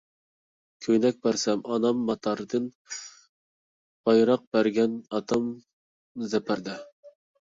كۆينەك بەرسە ئانام ماتادىن، بايراق بەرگەن ئاتام زەپەردە.